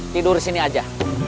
tidur di sini aja